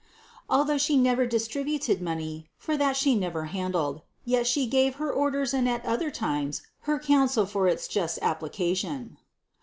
Although She never distributed money, (for that She never hand led), yet She gave her orders and at other times her counsel for its just application.